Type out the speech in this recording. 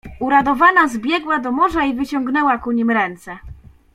"Uradowana zbiegła do morza i wyciągnęła ku nim ręce."